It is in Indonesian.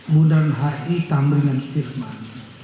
bundang hi tambringan spirman